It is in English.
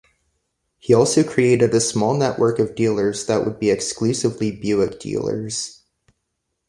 He also created a small network of dealers that would be exclusively Buick dealers.